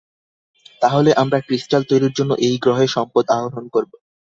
তাহলে আমরা ক্রিস্টাল তৈরির জন্য এই গ্রহে সম্পদ আহোরণ করবো!